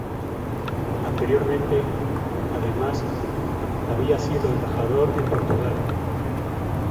Anteriormente, además, había sido embajador en Portugal.